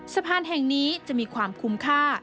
สะพานแห่งนี้จะมีความคุ้มค่า